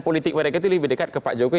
politik mereka itu lebih dekat ke pak jokowi